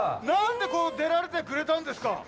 何で出られてくれたんですか？